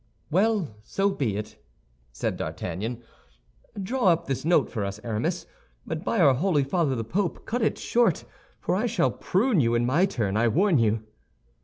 "Well, so be it," said D'Artagnan. "Draw up this note for us, Aramis; but by our Holy Father the Pope, cut it short, for I shall prune you in my turn, I warn you."